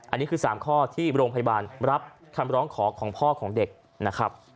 อันนี้คือค่าที่โรงพยาบาลรับคำร้องขอของพ่อของเด็ก